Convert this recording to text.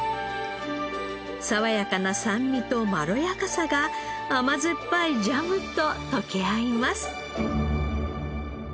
爽やかな酸味とまろやかさが甘酸っぱいジャムと溶け合います。